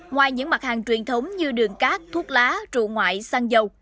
ngoài những mặt hàng truyền thống như đường cát thuốc lá trụ ngoại xăng dầu